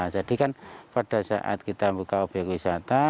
jadi kan pada saat kita buka objek wisata